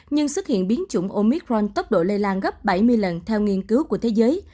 nhưng xuất hiện biến chủng omicron tốc độ lây lan gấp bảy mươi lần theo nghiên cứu của thế giới